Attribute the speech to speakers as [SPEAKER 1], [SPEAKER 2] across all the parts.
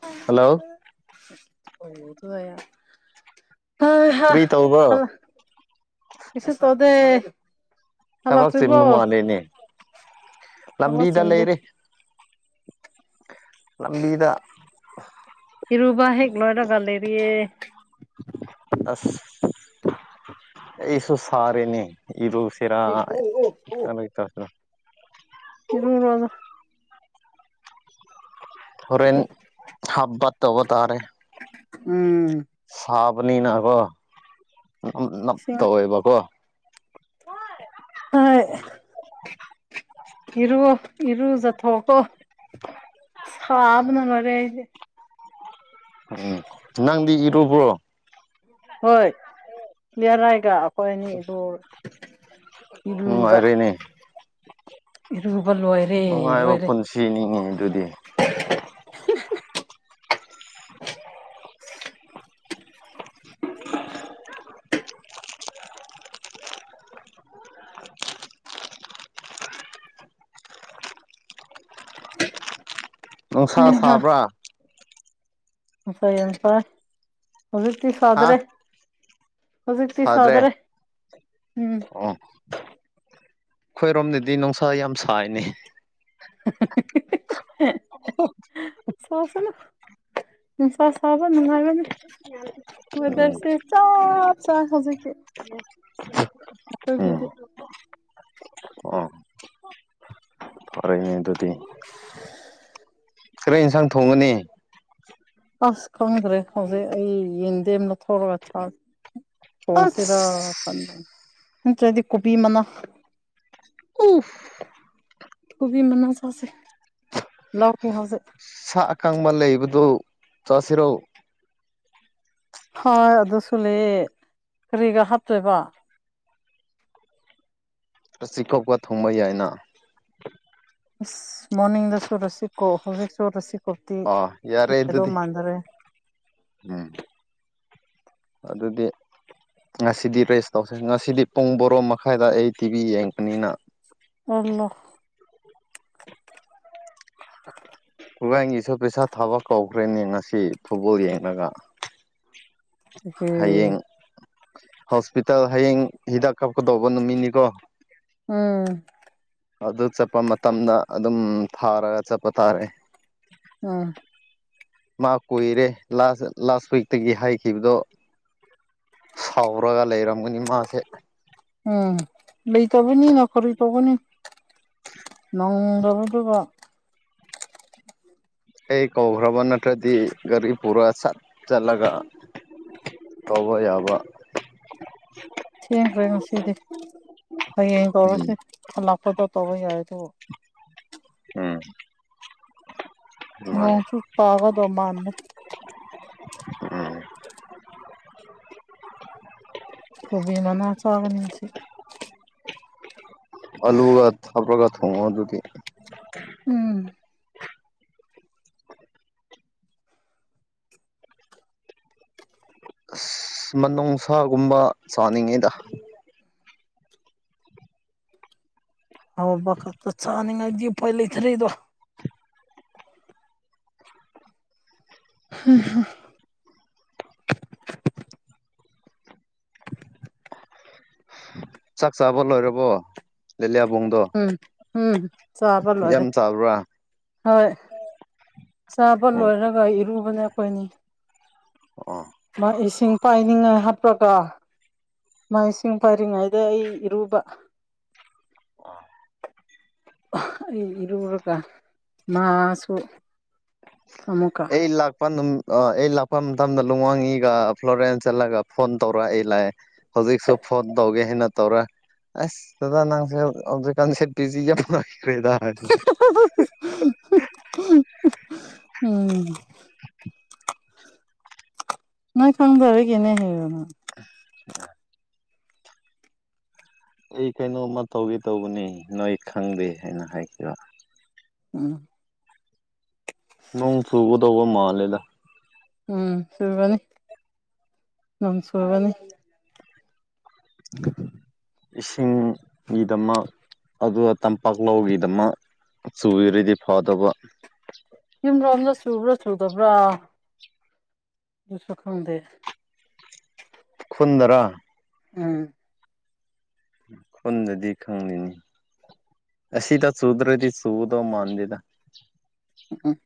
[SPEAKER 1] ꯇ
[SPEAKER 2] ꯍꯜꯂꯣ
[SPEAKER 1] ꯑ
[SPEAKER 2] ꯔꯔꯤꯇ ꯎꯕ
[SPEAKER 1] ꯄꯁ ꯇꯗ
[SPEAKER 2] ꯊꯕꯛ ꯆꯤꯟꯕ ꯃꯥꯜꯂꯦꯅꯦ
[SPEAKER 1] ꯊꯕꯛ
[SPEAKER 2] ꯂꯝꯕꯤꯗ
[SPEAKER 1] ꯆꯤꯟꯗꯦ
[SPEAKER 2] ꯂꯩꯔꯦ ꯂꯝꯕꯤꯗ
[SPEAKER 1] ꯏꯔꯨꯕ ꯍꯦꯛꯂꯣꯗꯒ ꯂꯩꯦꯔꯤꯌꯦ
[SPEAKER 2] ꯑꯁ ꯏꯁꯨ ꯁꯔꯦꯅꯦ ꯏꯗꯨ ꯁꯤꯔꯥ ꯆꯁ
[SPEAKER 1] ꯏ ꯔꯖ
[SPEAKER 2] ꯍꯣꯔꯦꯟ ꯍꯥꯞꯕꯥ ꯇꯧꯕꯣ ꯇꯥꯔꯦ
[SPEAKER 1] ꯎꯝ
[SPEAKER 2] ꯅꯤꯅ ꯀꯣ ꯅꯞ
[SPEAKER 1] ꯏꯁꯤꯡ
[SPEAKER 2] ꯇꯧꯋꯦꯕꯀꯣ [unintelligible]
[SPEAKER 1] ꯏꯔꯣ ꯏꯔꯨꯖꯠ ꯍꯒꯣ ꯁ꯭ꯋꯥꯕꯅ ꯂꯧꯔꯦꯁꯦ
[SPEAKER 2] ꯎꯝ ꯅꯪꯗꯤ ꯏꯔꯨꯕ꯭ꯔꯣ
[SPEAKER 1] ꯍꯣꯏ ꯄꯦꯂꯤꯌꯥꯔꯥꯏꯒ ꯑꯩꯈꯣꯏ ꯑꯅꯤ ꯑꯗꯨ ꯏꯔꯨꯕ
[SPEAKER 2] ꯅꯨꯡꯉꯥꯏꯔꯦꯅꯦ
[SPEAKER 1] ꯏꯔꯨꯕ ꯂꯣꯏꯔꯦ
[SPEAKER 2] ꯅꯨꯡꯉꯥꯏꯕ
[SPEAKER 1] ꯂꯣꯏꯔꯦ
[SPEAKER 2] ꯄꯨꯟꯁꯤꯅꯤꯅꯦ ꯑꯗꯨꯗꯤ [unintelligible] ꯅꯨꯡꯁꯥ ꯁꯥꯕ꯭ꯔꯥ
[SPEAKER 1] ꯁꯥꯏꯟꯁ
[SPEAKER 2] ꯍꯥ
[SPEAKER 1] ꯍꯧꯖꯤꯛꯇꯁꯨꯗ꯭ꯔꯦ
[SPEAKER 2] ꯁꯥꯗ꯭ꯔꯦ
[SPEAKER 1] ꯍꯧꯖꯤꯛꯇꯛꯇꯤꯁꯗ꯭ꯔꯦ ꯎꯝ
[SPEAKER 2] ꯑꯣ ꯑꯩꯈꯣꯏꯔꯣꯝꯗꯗꯤ ꯅꯨꯡꯁꯥ ꯌꯥꯝ ꯁꯥꯏꯅꯤ
[SPEAKER 1] ꯁꯣꯁꯅ ꯁꯥꯕ ꯅꯨꯡꯉꯥꯏꯒꯅꯤ
[SPEAKER 2] ꯎꯝ
[SPEAKER 1] ꯋꯦꯗꯔꯁꯦ ꯆꯞ ꯆ ꯍꯧꯖꯤꯛꯀꯤ
[SPEAKER 2] ꯑꯗꯨ
[SPEAKER 1] ꯑꯩꯈꯣꯏꯒꯤꯗꯤ
[SPEAKER 2] ꯑ ꯑꯣꯏꯔꯣꯏꯅꯦ ꯑꯗꯨꯗꯤ ꯈꯔ ꯌꯦꯟꯁꯥꯡ ꯊꯣꯡꯉꯅꯤ
[SPEAKER 1] ꯑꯁ ꯈꯪ꯭ꯔꯦ ꯍꯧꯖꯤꯦ ꯑꯩ ꯌꯦꯟꯗꯦꯅ ꯊꯔꯒ ꯆ ꯐꯣꯁꯤꯔ
[SPEAKER 2] ꯑꯁ
[SPEAKER 1] ꯐꯥꯟꯗ ꯅꯠꯇ꯭ꯔꯗꯤ ꯀꯣꯕꯤ ꯃꯅꯥ
[SPEAKER 2] ꯎ
[SPEAKER 1] ꯀꯨꯕꯤ ꯃꯅꯖꯁꯦ ꯂ ꯍꯧꯖꯦ
[SPEAKER 2] ꯁꯥ ꯑꯀꯕ ꯂꯩꯕꯗꯨ ꯆꯁꯤꯔꯥꯎ
[SPEAKER 1] ꯍꯣꯏ ꯑꯗꯨꯁꯨ ꯂꯩꯌꯦ ꯀꯔꯤꯒ ꯍꯥꯞꯇꯣꯏꯕ
[SPEAKER 2] ꯆ ꯆꯤꯈꯨꯞꯀ ꯊꯣꯡꯕ ꯌꯥꯏꯅ
[SPEAKER 1] ꯃꯣꯔꯅꯤꯡꯗꯁꯨ ꯔꯁꯤꯛꯈꯣ ꯍꯧꯖꯤꯛꯁꯨ ꯔꯁꯤꯛꯣ
[SPEAKER 2] ꯑ ꯌꯥꯔꯦ ꯑꯦꯗꯨꯗꯤ ꯎꯝ ꯑꯗꯨꯗꯤ ꯉꯁꯤꯗꯤ ꯔꯦꯁ ꯇꯧꯁ ꯉꯁꯤꯗꯤ ꯄꯨꯡ ꯕꯣꯔꯣ ꯃꯈꯥꯏꯗ ꯑꯩ ꯇꯤꯚꯤ ꯌꯦꯡꯉꯛꯄꯅꯤꯅ
[SPEAKER 1] ꯑꯣꯜꯂꯣ
[SPEAKER 2] [unintelligible] ꯈꯨꯒꯥꯏꯒꯤꯁꯨ ꯄꯩꯁꯥ ꯊꯥꯕ ꯀꯧꯈ꯭ꯔꯦꯅꯦ ꯉꯁꯤ ꯐꯨꯠꯕꯣꯜ ꯌꯦꯡꯂꯡꯉꯒ
[SPEAKER 1] ꯍꯝ
[SPEAKER 2] ꯍꯣꯁꯄꯤꯇꯥꯜ ꯍꯌꯦꯡ ꯍꯤꯗꯥꯛ ꯀꯥꯞꯀꯗꯧꯕ ꯅꯨꯃꯤꯠꯅꯤꯀꯣ
[SPEAKER 1] ꯎꯝ
[SPEAKER 2] ꯑꯗꯨ ꯆꯠꯄ ꯃꯇꯝꯗ ꯑꯗꯨꯝ ꯊꯥꯔꯒ ꯆꯠꯄ ꯇꯥꯔꯦ
[SPEAKER 1] ꯎꯝ
[SPEAKER 2] ꯃꯥ ꯀꯨꯏꯔꯦ ꯂꯥꯁ ꯂꯥꯁ ꯋꯤꯛꯇꯒꯤ ꯍꯥꯏꯈꯤꯕꯗꯣ ꯁꯥꯎꯔꯒ ꯂꯩꯔꯝꯒꯅꯤ ꯃꯥꯁꯦ
[SPEAKER 1] ꯎꯝ ꯂꯩꯇꯕꯅꯤ ꯅꯈꯧꯔꯤ ꯇꯧꯕꯅꯤ ꯅꯪꯗ‌ꯣ [inaudible] ꯗꯨꯗꯤꯀ‌ꯣ
[SPEAKER 2] ꯑꯩ ꯀꯧꯈ꯭ꯔꯕ ꯅꯠꯇ꯭ꯔꯗꯤ ꯒꯥꯔꯤ ꯄꯨꯔꯥ ꯁꯠ ꯆꯠꯂꯒ ꯇꯧꯕ ꯌꯥꯕ
[SPEAKER 1] ꯊꯦꯡꯈ꯭ꯔꯦ ꯉꯁꯤꯗꯤ ꯍꯌꯦꯡ
[SPEAKER 2] ꯎꯝ
[SPEAKER 1] ꯇꯧꯔꯁꯦ ꯍꯜꯂꯛꯄꯗ ꯇꯧꯔ ꯌꯥꯏ ꯇꯣ
[SPEAKER 2] ꯎꯝ ꯃꯥꯅꯦ
[SPEAKER 1] ꯅꯣꯡꯁꯨ ꯇꯥꯒꯗꯣ ꯃꯥꯟꯗ‌ꯦ
[SPEAKER 2] ꯎꯝ
[SPEAKER 1] ꯀꯣꯚꯤ ꯃꯅꯥ ꯆꯥꯒꯅꯤꯁꯤ
[SPEAKER 2] ꯑꯂꯨꯒ ꯊꯕꯔꯒ ꯊ‌ꯣꯡꯉ‌ꯣ ꯑꯗꯨꯗꯤ
[SPEAKER 1] ꯎꯝ
[SPEAKER 2] ꯑꯁ ꯃꯅꯨꯡꯁꯥꯒꯨꯝꯕ ꯆꯥꯅꯤꯡꯉꯤꯗ
[SPEAKER 1] ꯍꯥꯎꯕ ꯈꯛꯇ ꯆꯅꯤꯡꯉꯥꯗꯤ ꯎꯄꯥꯏ ꯂꯩꯇꯔ‌ꯦꯗꯣ ꯍ ꯍ
[SPEAKER 2] ꯆꯥꯛ ꯆꯥꯕ ꯂꯣꯏꯔꯕꯣ ꯂꯤꯂꯤꯌꯥꯕꯨꯡꯗꯣ
[SPEAKER 1] ꯎꯝ ꯎꯝ ꯆꯥꯕ
[SPEAKER 2] ꯌꯥꯝ
[SPEAKER 1] ꯂꯣꯏꯔꯦ
[SPEAKER 2] ꯆꯥꯕ꯭ꯔꯥ
[SPEAKER 1] ꯍꯣꯏ ꯆꯥꯕ ꯂꯣꯏꯔꯒ ꯏꯔꯨꯕꯅꯦ ꯈ‌ꯣꯏꯅꯤ
[SPEAKER 2] ꯑꯣ
[SPEAKER 1] ꯃꯥꯒꯤ ꯏꯁꯤꯡ ꯄꯥꯏꯅꯤꯡꯉꯥꯏ ꯍꯥꯞꯄꯒ ꯃꯥ ꯏꯁꯤꯡ ꯄꯥꯏꯔꯤꯉꯩꯗ ꯑꯩ ꯏꯔꯨꯕ ꯑꯩ ꯏꯔꯨꯔꯒ ꯃꯥꯁꯨ ꯑꯃꯨꯛꯀ
[SPEAKER 2] ꯑꯩ ꯂꯥꯛꯄ ꯅꯨ ꯑ ꯑꯩ ꯂꯥꯛꯄ ꯃꯇꯝꯗ ꯂꯨꯋꯥꯡꯒꯤꯒ ꯐ꯭ꯂꯣꯔꯦꯟꯁ ꯆꯠꯂꯒ ꯐꯣꯟ ꯇꯧꯔ ꯑꯩ ꯂꯥꯛꯑꯦ ꯍꯧꯖꯤꯛꯁꯨ ꯐꯣꯟ ꯇꯧꯒꯦ ꯑꯩꯅ ꯇꯧꯔ ꯑꯁ ꯗꯥꯗꯥ ꯅꯪꯁꯦ ꯍꯧꯖꯤꯛꯀꯥꯟꯁꯦ ꯚꯤꯖꯤ ꯌꯥꯝ ꯂꯩ
[SPEAKER 1] [unintelligible] ꯎꯝ
[SPEAKER 2] [unintelligible]
[SPEAKER 1] ꯅꯣꯏ ꯈꯪꯗꯔ‌ꯣ ꯑꯩꯒꯤꯅꯦ ꯍꯥꯏꯕꯅ
[SPEAKER 2] [unintelligible] ꯑꯩ ꯀꯩꯅꯣꯝꯃ ꯇꯧꯒꯦ ꯇꯧꯕꯅꯤ ꯅꯣꯏ ꯈꯪꯗꯦ ꯍꯥꯏꯅ ꯍꯥꯏꯈꯤꯕ
[SPEAKER 1] ꯑꯥ
[SPEAKER 2] ꯅꯣꯡ ꯆꯨꯒꯗꯧꯕ ꯃꯥꯜꯂꯦꯗ
[SPEAKER 1] ꯎꯝ ꯆꯨꯒꯅꯤ ꯅ‌ꯣꯡ ꯁꯨꯒꯅꯤ [inaudible]
[SPEAKER 2] ꯏꯁꯤꯡꯒꯤꯗꯃꯛ ꯑꯗꯨꯒ ꯇꯝꯄꯥꯛ ꯂꯧꯒꯤꯗꯃꯛ ꯆꯨꯔꯗꯤ ꯐꯗ‌ꯣꯕ
[SPEAKER 1] ꯆꯨꯗꯕ꯭ꯔ‌ꯣ ꯗꯨꯁꯨ ꯈꯪꯗꯦ
[SPEAKER 2] ꯄꯨꯟꯗꯔꯥ
[SPEAKER 1] ꯎꯝ
[SPEAKER 2] ꯈꯨꯟꯗꯗꯤ ꯈꯪꯂꯤꯅꯤ ꯑꯁꯤꯗ ꯆꯨꯗ꯭ꯔꯗꯤ ꯆꯨꯒꯗꯧ ꯃꯥꯥꯟꯗꯦꯗ
[SPEAKER 1] [unintelligible]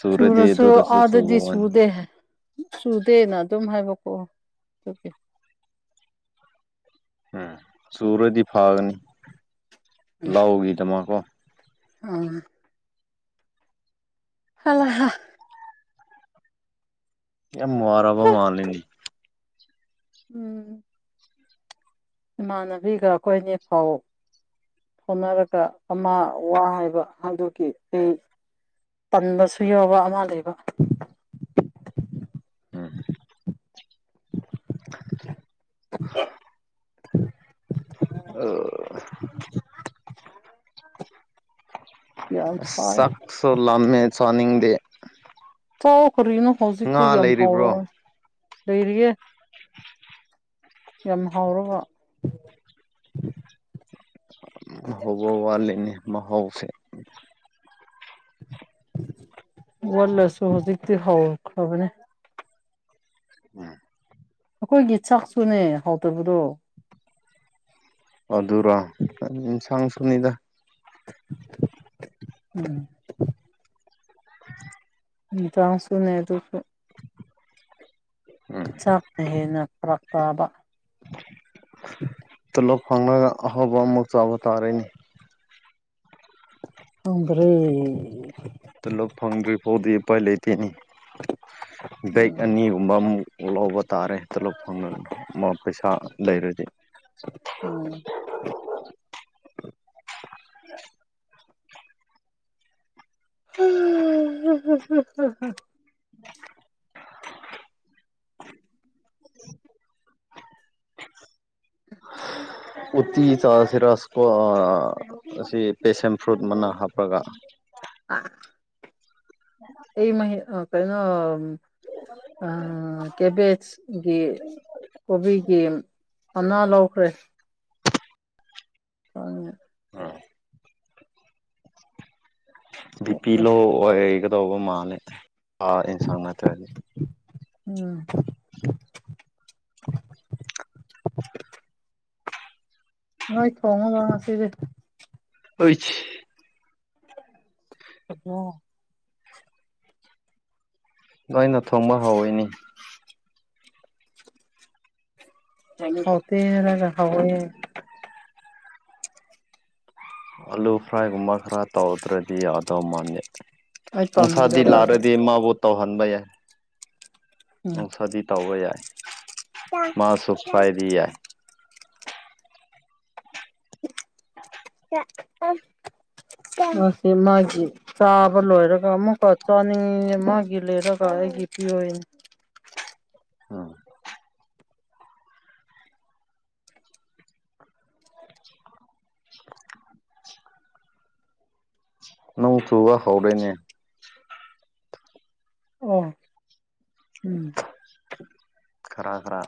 [SPEAKER 2] ꯆꯨꯔꯗꯤ
[SPEAKER 1] ꯆꯨꯔꯁꯨ
[SPEAKER 2] ꯑꯗꯨꯗꯁꯨ
[SPEAKER 1] ꯑꯥꯗꯗꯤ
[SPEAKER 2] ꯆꯨꯕ ꯋꯥꯅꯤ
[SPEAKER 1] ꯆꯨꯗꯦ ꯍꯦ ꯆꯨꯗꯦꯅ ꯑꯗꯨꯝ ꯍꯥꯏꯕ ꯑꯣ ꯗꯨꯀꯤ
[SPEAKER 2] ꯎꯝ ꯆꯨꯔꯗꯤ ꯐꯥꯒꯅꯤ ꯂꯥꯎꯒꯤꯗꯃꯛꯀꯣ
[SPEAKER 1] ꯑꯝ ꯍꯜꯂꯥꯍꯥ
[SPEAKER 2] ꯌꯥꯝ ꯋꯥꯔꯥꯕ ꯃꯥꯜꯂꯦꯅꯦ
[SPEAKER 1] ꯎꯝ ꯏꯃꯥꯟꯅꯕꯤꯒ ꯑꯈꯣꯏ ꯑꯅꯤ ꯐꯥꯎ ꯍꯣꯠꯅꯔꯒ ꯑꯃ ꯋꯥ ꯍꯥꯏꯕ ꯑꯗꯨꯒꯤ ꯑꯩ ꯇꯟꯕꯁꯨ ꯌꯥꯎꯕ ꯑꯃ ꯂꯩꯕ
[SPEAKER 2] ꯎꯝ
[SPEAKER 1] [inaudible]
[SPEAKER 2] ꯑ [unintelligible]
[SPEAKER 1] [inaudible]
[SPEAKER 2] ꯑꯁ
[SPEAKER 1] ꯁꯥꯏ
[SPEAKER 2] ꯆꯥꯛꯁꯨ ꯂꯝꯃꯦ ꯆꯥꯅꯤꯡꯗꯦ
[SPEAKER 1] ꯆꯥꯋ ꫭꯀꯔꯤꯅꯣ ꯍꯧꯖꯤꯛꯇꯤ
[SPEAKER 2] ꯉꯥ
[SPEAKER 1] ꯌꯥꯝ
[SPEAKER 2] ꯂꯩꯔꯤꯕ꯭ꯔꯣ
[SPEAKER 1] ꯍꯥꯎꯔꯝꯅꯤ ꯂꯩꯔꯤꯌꯦꯦ ꯌꯥꯝ ꯍꯥꯎꯔꯕ [inaudible]
[SPEAKER 2] [unintelligible] ꯍꯧꯕ ꯋꯥꯂꯤꯅꯦ ꯃꯍꯥꯎꯁꯦ
[SPEAKER 1] ꯋꯥꯂꯥꯁꯨ ꯍꯨꯖꯤꯛꯇꯤ ꯍꯧꯈ꯭ꯔ꯭ꯕꯅꯦ
[SPEAKER 2] [unintelligible]
[SPEAKER 1] ꯑꯈꯣꯏꯒꯤ ꯆꯥꯛꯁꯨꯨꯅꯦ ꯍꯥꯎꯇꯕꯗꯣ
[SPEAKER 2] ꯑꯗꯨꯔꫭ‌ ꯑꯗꯨꯗꯤ ꯏꯁꯥꯡ ꯁꯨꯅꯤꯗ
[SPEAKER 1] [unintelligible] ꯎꯝ
[SPEAKER 2] [inaudible]
[SPEAKER 1] ꯏꯟꯇ꯭ꯔꯥꯁꯨꯅꯦ ꯑꯗꯨꯒ ꯆꯥꯛꯅ ꯍꯦꯟꯅ ꯐꯔꯛ ꯇꯥꯕ
[SPEAKER 2] ꯇꯣꯂꯣꯞ ꯐꯪꯂꯒ ꯑꯍꯥꯎꯕ ꯑꯃꯨꯛ ꯆꯥꯎꯕ ꯇꯥꯔꯦꯅꯦ
[SPEAKER 1] ꯈꯪꯗꯔꯦ
[SPEAKER 2] ꯇꯨꯂꫭꯞ ꯐꯪꯗ꯭ꯔꯤ ꯐꯥꯎꯗꯤ ꯎꯄꯥꯏ ꯂꯩꯇꯦꯅꯦ ꯗꯦꯛ
[SPEAKER 1] ꯎꯝ
[SPEAKER 2] ꯑꯅꯤꯒꯨꯝꯕ ꯃꯨꯛ ꯑꫭ ꯂꯧꯕ ꯇꯥꯔꯦ ꯍꯦꯇ ꯂ ꯇꫭꯂꫭꯞ ꯐꯪꯉꯕꯗꯤ ꯃꯥ ꯄꯩꯁꯥ ꯂꯩꯔꯗꯤ
[SPEAKER 1] ꯎꯝ
[SPEAKER 2] [unintelligible]
[SPEAKER 1] [unintelligible]
[SPEAKER 2] ꯎꯠꯇꯤ ꯆꯥꯁꯤꯔ ꯁꯀꯣ ꯑ-ꯑꯁꯤ ꯄꯦꯁꯦꯝ ꯐ꯭ꯔꯨꯠ ꯃꯅꯥ ꯍꯥꯞꯄꯒ
[SPEAKER 1] ꯑꯥ ꯑꯩ ꯃꯍꯤ ꯑ ꯀꯩꯅꯣꯝ ꯑ ꯀꯦꯕꯦꯠꯁ ꯒꯤ ꯀꯣꯕꯤꯒꯤ ꯃꯅꯥ ꯂꯧꯈ꯭ꯔꯦ ꯈꯪꯉꯦ
[SPEAKER 2] ꯑꯥ ꯕꯤꯄꯤ ꯂꯣ ꯑꯣꯏꯒꯗꯧꯕ ꯃꯥꯜꯂꯦ ꯑꯥ ꯑꯦꯟꯁꯥꯡ ꯅꯠꯇ꯭ꯔꯗꯤ
[SPEAKER 1] ꯎꯝ [inaudible] ꯅꫭꯏ ꯊꯣꯉꯕ ꯉꯁꯤꯗꯤ
[SPEAKER 2] ꯑꯨꯏꯠꯁ
[SPEAKER 1] ꯑꯣ
[SPEAKER 2] ꯅꯣꯏꯩꯅ ꯊꯨꯝꯕ ꯍꯧꯋꯏꯅꯤ
[SPEAKER 1] ꯐꯥꯎ ꯍꯋꯥ
[SPEAKER 2] ꯑꯥꯂꯨ ꯐ꯭ꯔꯥꯏꯒꯨꯝꯕ ꯈꯔ ꯇꯧꯗ꯭ꯔꯗꯤ ꯌꯥꯗꯧ ꯃꯥꯂꯦ
[SPEAKER 1] ꯑꯩ
[SPEAKER 2] ꯅꯨꯡꯁꯥꯗꯤ
[SPEAKER 1] ꯇꯧꯅꯤꯡꯗꯕ ꯑꯗꯣ
[SPEAKER 2] ꯂꯥꯛꯔꯗꯤ ꯃꯥꯕꯨ ꯇꯧꯍꯟꯕ ꯌꯥꯏ
[SPEAKER 1] ꯎꯝ
[SPEAKER 2] ꯅꯨꯡꯁꯥꯗꯤ ꯇꯧꯕ ꯌꯥꯏ ꯃꯥꯁꯨ ꯈꯥꯏꯗꯤ ꯌꯥꯏ [unintelligible]
[SPEAKER 1] [unintelligible] ꯃꯁꯤꯁꯤ ꯃꯥꯒꯤ ꯆꯥꯕ ꯂꯣꯏꯔꯒ ꯑꯃꯨꯛꯀ ꯆꯅꯤ ꯃꯥꯒꯤ ꯂꯩꯔꯒ [unintelligible]
[SPEAKER 2] [inaudible] ꯎꯝ ꯅꯣꯡ ꯆꯨꯕꯥ ꯍꯧꯔꯦꯅꯦ
[SPEAKER 1] ꯑꯣ ꯎꯝ
[SPEAKER 2] ꯈꯔ ꯈꯔ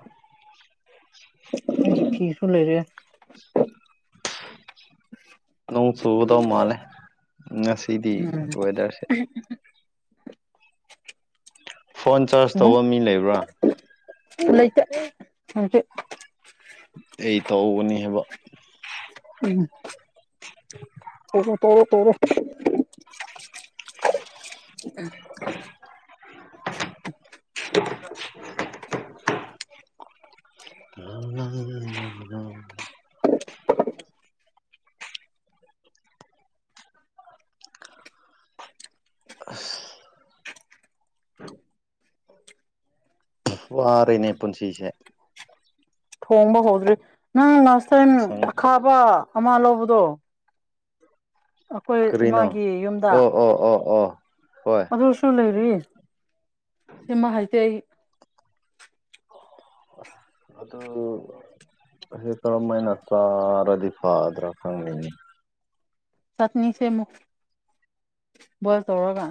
[SPEAKER 1] ꯐꯤꯁꯨ ꯂꯩꯔꯦ
[SPEAKER 2] ꯅꯣꯡ ꯆꯨꯗꯧ ꯃꯥꯂꯦ ꯉꯁꯤꯗꯤ ꯋꯦꯗꯔꯁꯦ ꯐꯣꯟ ꯆꯥꯔꯖ
[SPEAKER 1] ꯎꯝ
[SPEAKER 2] ꯇꯧꯕ ꯃꯤ ꯂꯩꯕ꯭ꯔꯥ
[SPEAKER 1] ꯂꯩꯇꯦ
[SPEAKER 2] ꯑꯩ [unintelligible]
[SPEAKER 1] ꯎꯝ ꯇꯔꯦ ꯇꯔꯦ [unintelligible] [unintelligible]
[SPEAKER 2] ꯋꯥꯔꯦꯅꯦ ꯄꯨꯟꯁꯤꯁꯦ
[SPEAKER 1] ꯊꯣꯡꯕ ꯍꯧꯗ꯭ꯔꯤ ꯅꯪ ꯂꯥꯁ ꯇꯥꯏꯝ
[SPEAKER 2] ꯏꯟꯁꯥꯡ
[SPEAKER 1] ꯑꯈꯥꯕ ꯑꯃ ꯂꯧꯕꯗꯣ ꯑꯩꯈꯣꯏ
[SPEAKER 2] ꯀꯔꯤꯅꯣ
[SPEAKER 1] ꯏꯃꯥꯒꯤ ꯌꯨꯝꯗ
[SPEAKER 2] ꯑꯣ ꯑꯣ ꯑꯣ ꯑꯣ ꯍꯣꯏ
[SPEAKER 1] ꯑꯗꯨꯁꯨ ꯂꯩꯔꯤ ꯁꯤꯃ ꯍꯥꯏꯗꯤ ꯑꯩ
[SPEAKER 2] ꯑꯁ ꯑꯗꯨ ꯍꯦ ꯇ ꯃꯥꯏꯅ ꯆ ꯔꯗꯤ ꯐꯥꯗ꯭ꯔ ꯐꯪꯅꯤ
[SPEAKER 1] ꯆꯠꯅꯤꯁꯦ ꯇꯧꯔꯒ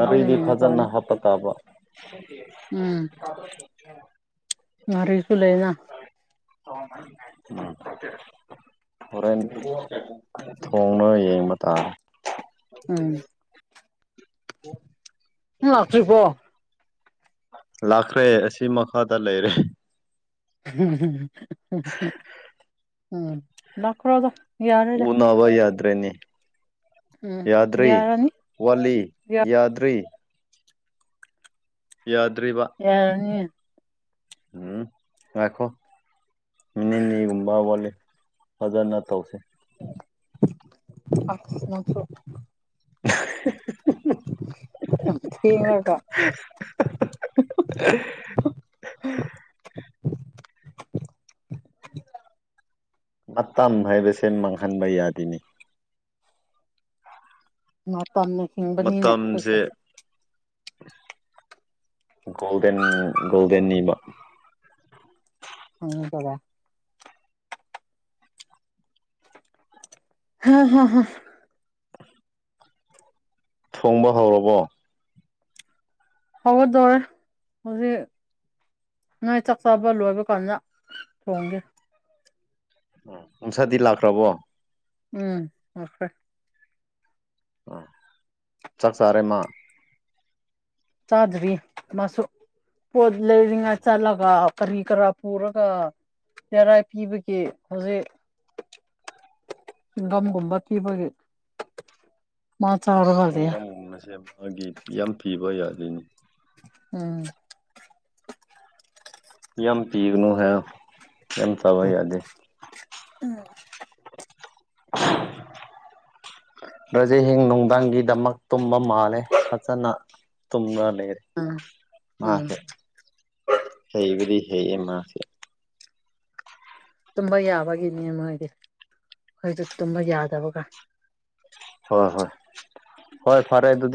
[SPEAKER 1] ꯑꯗꯨꯅ ꯍꯦꯟꯅ
[SPEAKER 2] ꯐꯖꯅ
[SPEAKER 1] ꯐꯅꯤ
[SPEAKER 2] ꯍꯥꯞꯄ ꯇꯥꯕ
[SPEAKER 1] ꯎꯝ ꯉꯔꯤꯁꯨ ꯂꯩꯅ
[SPEAKER 2] [unintelligible] ꯍꯣꯔꯦꯟ ꯊꯣꯡꯅ ꯌꯦꯡꯕ ꯇꯥꯔꯦ
[SPEAKER 1] ꯎꯝ ꯅꯪ ꯂꯥꯛꯇ꯭ꯔꯤꯕꯣ
[SPEAKER 2] [unintelligible] ꯂꯥꯛꯈ꯭ꯔꯦ ꯑꯁꯤ ꯃꯈꯥꯗ ꯂꯩꯔꯦ
[SPEAKER 1] ꯎꯝ ꯂꯥꯈꯔꯣꯗ
[SPEAKER 2] ꯎꯅꯥꯋꯥ ꯌꯥꯗ꯭ꯔꯦꯅꯦ
[SPEAKER 1] ꯎꯝ
[SPEAKER 2] ꯌꯥꯗꯔꯤ
[SPEAKER 1] ꯌꯥꯔꯅꯤ
[SPEAKER 2] ꯋꯥꯠꯂꯤ ꯌꯥꯗꯔꯤ ꯌꯥꯗ꯭ꯔꯤꯕ
[SPEAKER 1] ꯌꯥꯔꯅꯤ
[SPEAKER 2] ꯎꯝ ꯉꯥꯏꯈꯣ ꯅꯤꯅꯤꯒꯨꯝꯕꯥ ꯐꯖꯅ ꯇꯧꯁꯤ
[SPEAKER 1] [unintelligible]
[SPEAKER 2] [unintelligible]
[SPEAKER 1] ꯊꯦꯡꯔꯒꯥ [unintelligible]
[SPEAKER 2] ꯃꯇꯝ ꯍꯥꯏꯕꯁꯦ ꯃꯥꯡꯍꯟꯕ ꯌꯥꯗꯅꯤ
[SPEAKER 1] ꯃꯇꯝꯅ ꯍꯤꯡꯕꯅꯤꯅ ꯑꯩꯈꯣꯏꯁꯦ
[SPEAKER 2] ꯃꯇꯝꯁꯦ [unintelligible] ꯒꯣꯜꯗꯦꯟ ꯒꯣꯜꯗꯦꯟ ꯅꯤꯃ
[SPEAKER 1] ꯈꯪꯗꯕ ꯍꯥ ꯍꯥ ꯍꯥ
[SPEAKER 2] ꯊꯣꯡꯕ ꯍꯧꯔꯕꯣ꯫
[SPEAKER 1] ꯍꯧꯒꯗꯣꯔ ꯍꯧꯖꯤꯛ꯫ ꯅ ꯆꯥꯛꯆꯥꯥꯕ ꯂꯣꯏꯕ ꯀꯥꯟꯗꯥ ꯊꯣꯡꯒꯦ꯫
[SPEAKER 2] ꯎ ꯅꯨꯡꯁꯥꯗꯤ ꯂꯥꯛꯈ꯭ꯔꯕꯣ꯫
[SPEAKER 1] ꯎꯝ ꯂꯥꯛꯈ꯭ꯔꯦ꯫
[SPEAKER 2] ꯆꯥꯛꯆꯥꯥꯔꯦ ꯃꯥ꯫
[SPEAKER 1] ꯆꯥꯗ꯭ꯔꯤ ꯃꯥꯁꯨ ꯄꯣꯠ ꯂꯩꯔꯤꯉꯩ ꯆꯠꯂꯒ꯫ ꯀꯔꯤ ꯀꯔꯥ ꯄꯨꯔꯒ ꯏꯦꯔꯥꯏ ꯄꯤꯕꯒꯤꯦ ꯍꯧꯖꯤꯛ꯫ ꯁꯤꯟꯒꯝꯒꯨꯝꯕ ꯊꯤꯕꯒ꯫
[SPEAKER 2] ꯑꯁ ꯆꯤꯡꯒꯥꯝꯒꯨꯝꯕꯁꯦ ꯃꯥꯒꯤ ꯌꯥꯝ ꯄꯤꯕ ꯌꯥꯗꯣꯏꯅꯤ꯫
[SPEAKER 1] ꯎꯝ꯫
[SPEAKER 2] ꯌꯥꯝ ꯄꯤꯔꯅ ꯍꯥꯏ ꯌꯥꯝꯅ ꯊꯥꯕ ꯌꯥꯗꯦ꯫
[SPEAKER 1] ꯎꯝ꯫
[SPEAKER 2] [inaudible] ꯔꯕ꯭ꯔꯖꯦ ꯍꯌꯦ ꯅꯨꯡꯗꯥꯡꯒꯤꯗꯃꯛ ꯇꯨꯝꯕ ꯃꯥꯜꯂꯦ ꯐꯖꯅ ꯇꯨꯝ
[SPEAKER 1] ꯎꯝ ꯎꯝ
[SPEAKER 2] ꯃꯥꯁꯦ ꯍꯩꯕꯗꯤ ꯍꯦꯌꯦ ꯃꯥꯁꯦ
[SPEAKER 1] ꯇꯨꯝꯕ ꯌꯥꯕꯒꯤꯅꯦ ꯃꯣꯏꯗꯤ ꯑꯩꯣꯏꯗꯤ ꯇꯨꯝꯕ ꯌꯥꯗꯕꯒ
[SPEAKER 2] ꯍꯣꯏ ꯍꯣꯏ ꯍꯣꯏ ꯐꯔꯦ ꯑꯗꯨꯗꯤ